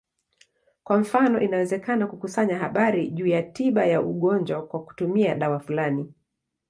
Kwa mfano, inawezekana kukusanya habari juu ya tiba ya ugonjwa kwa kutumia dawa fulani.